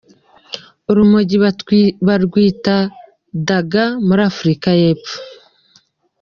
Urumogi bagwita "dagga" muri Afrika y'epfo.